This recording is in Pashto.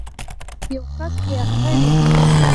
یو کس پرې اخته وي